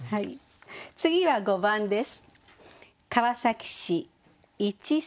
次は５番です。